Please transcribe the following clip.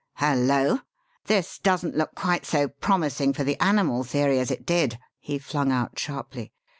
"Hullo! this doesn't look quite so promising for the animal theory as it did!" he flung out sharply.